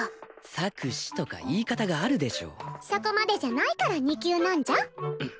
策士とか言い方があるでしょそこまでじゃないから２級なんじゃ？